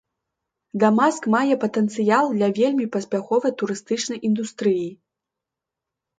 Дамаск мае патэнцыял для вельмі паспяховай турыстычнай індустрыі.